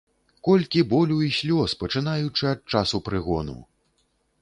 Колькі болю і слёз, пачынаючы ад часу прыгону!